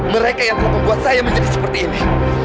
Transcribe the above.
mereka yang membuat saya menjadi seperti ini